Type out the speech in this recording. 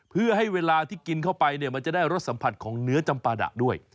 เพื่อให้เวลาที่กินเข้าไปเนี่ยมันจะได้รสสัมผัสของเนื้อจำปาดะด้วย